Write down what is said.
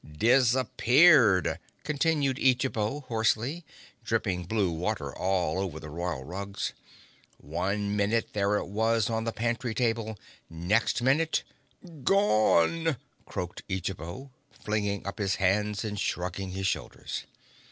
"Disappeared," continued Eejabo hoarsely, dripping blue water all over the royal rugs. "One minute there it was on the pantry table. Next minute—gone!" croaked Eejabo, flinging up his hands and shrugging his shoulders.